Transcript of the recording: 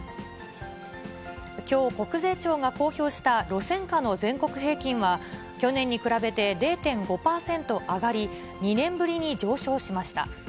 きょう、国税庁が公表した路線価の全国平均は、去年に比べて０．５％上がり、２年ぶりに上昇しました。